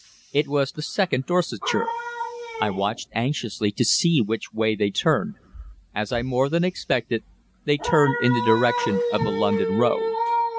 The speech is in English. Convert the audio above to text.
"It was the 2nd Dorsetshire. I watched anxiously to see which way they turned. As I more than expected, they turned in the direction of the London Road.